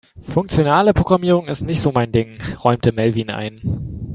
"Funktionale Programmierung ist nicht so mein Ding", räumte Melvin ein.